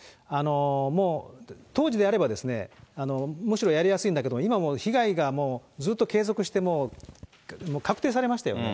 もう、当時であればむしろやりやすいんだけれども、今もう被害がもうずっと継続して、もう、確定されましたよね。